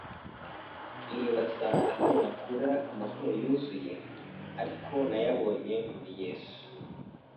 nibaza aho nakura amahoro yuzuye ariko nayabonye muri Yesu.